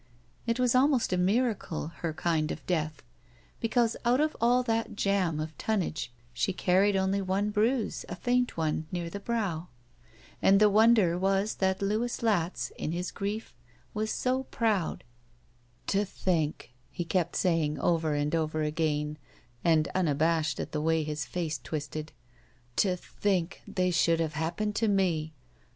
It was almost a miracle, her kind of death, because out of all that jam of tonnage she carried only one bruise, a faint one, near the brow. And the wonder was that Louis Latz, in his grief, was so proud. "To think," he kept saying over and over again and unabashed at the way his face twisted — "to think they should have happened to me.